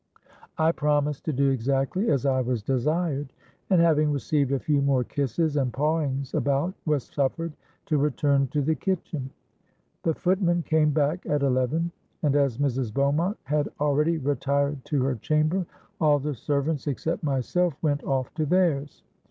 '—I promised to do exactly as I was desired; and, having received a few more kisses and pawings about, was suffered to return to the kitchen. "The footman came back at eleven; and as Mrs. Beaumont had already retired to her chamber, all the servants except myself went off to theirs.